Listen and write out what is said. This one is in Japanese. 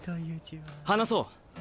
話そう。